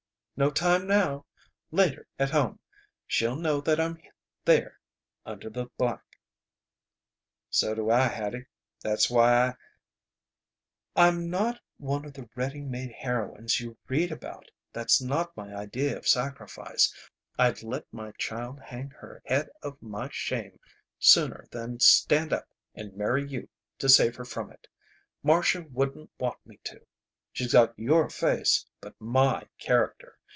"No time now. Later at home! She'll know that I'm there under the black!" "So do I, Hattie. That's why I " "I'm not one of the ready made heroines you read about. That's not my idea of sacrifice! I'd let my child hang her head of my shame sooner than stand up and marry you to save her from it. Marcia wouldn't want me to! She's got your face but my character!